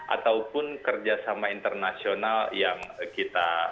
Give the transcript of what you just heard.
ataupun kerjasama internasional yang kita